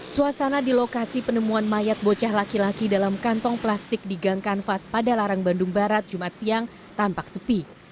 suasana di lokasi penemuan mayat bocah laki laki dalam kantong plastik di gang kanvas pada larang bandung barat jumat siang tampak sepi